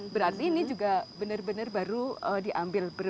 berarti ini juga benar benar baru diambil